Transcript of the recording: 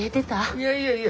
いやいやいや。